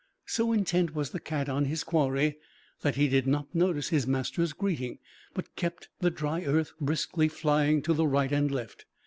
So intent was the cat on his quarry that he did not notice his master's greeting, but kept the dry earth briskly flying to the right and left.